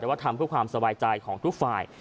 แต่ว่าทำเพื่อความสบายใจของทุกฝ่าย